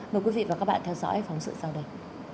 mời quý vị và các bạn theo dõi phóng sự sau đây